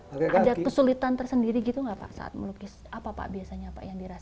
ada kesulitan tersendiri gitu nggak pak saat melukis apa pak biasanya pak yang dirasakan